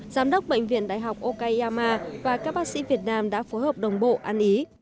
giám đốc bệnh viện đại học okayama và các bác sĩ việt nam đã phối hợp đồng bộ ăn ý